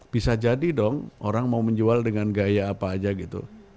bisa jadi dong orang mau menjual dengan gaya apa aja gitu